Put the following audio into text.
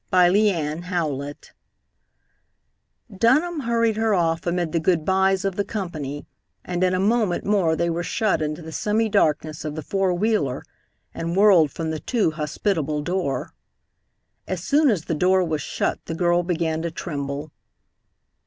III Dunham hurried her off amid the goodbyes of the company, and in a moment more they were shut into the semi darkness of the four wheeler and whirled from the too hospitable door. As soon as the door was shut, the girl began to tremble.